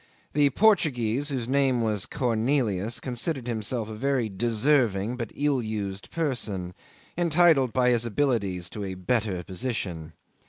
The Portuguese, whose name was Cornelius, considered himself a very deserving but ill used person, entitled by his abilities to a better position.